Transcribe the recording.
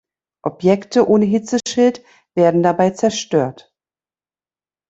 Objekte ohne Hitzeschild werden dabei zerstört.